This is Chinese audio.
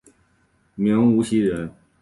明无锡人。